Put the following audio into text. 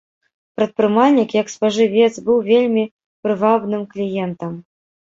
Прадпрымальнік як спажывец быў вельмі прывабным кліентам.